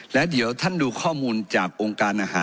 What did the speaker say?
แล้วเดี๋ยวท่านดูข้อมูลจากองค์การอาหาร